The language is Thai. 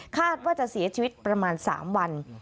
คาดว่าจะเสียชีวิตประมาณ๓วัน